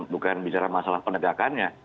bukan bicara masalah pendidikan